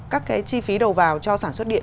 các cái chi phí đầu vào cho sản xuất điện